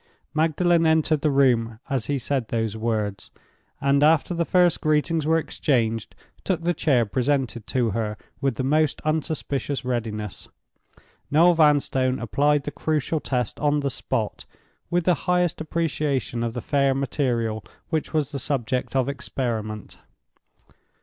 Magdalen entered the room as he said those words, and after the first greetings were exchanged, took the chair presented to her with the most unsuspicious readiness. Noel Vanstone applied the Crucial Test on the spot, with the highest appreciation of the fair material which was the subject of experiment.